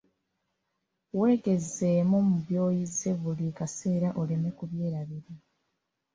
Weegezeemu mu by'oyize buli kaseera oleme kubyerabira.